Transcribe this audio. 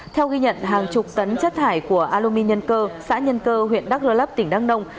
theo ghi nhận hàng chục tấn chất thải của alumin nhân cơ xã nhân cơ huyện đắc lơ lấp tỉnh đăng đông